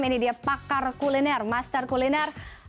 ini dia pakar kuliner master kuliner